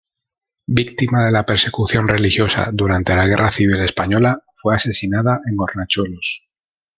Víctima de la persecución religiosa durante la Guerra Civil Española, fue asesinada en Hornachuelos.